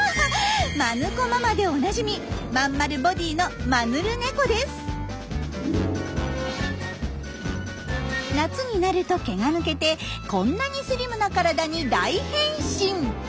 マヌ子ママでおなじみまん丸ボディーの夏になると毛が抜けてこんなにスリムな体に大変身！